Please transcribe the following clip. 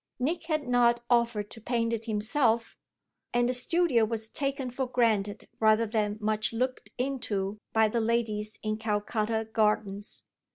Nick had not offered to paint it himself, and the studio was taken for granted rather than much looked into by the ladies in Calcutta Gardens.